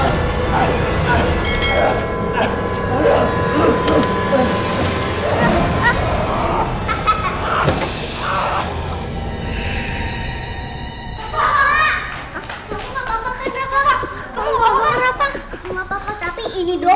reserve yang pepsi